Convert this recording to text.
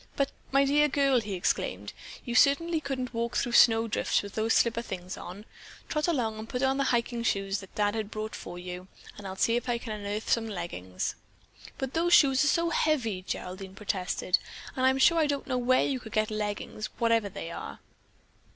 "But, my dear girl!" he exclaimed. "You certainly couldn't walk through snow drifts with those slipper things on. Trot along and put on the hiking shoes that Dad bought for you, and I'll see if I can unearth some leggins." "But those shoes are so heavy," Geraldine protested, "and I'm sure I don't know where you could get leggins, whatever they are."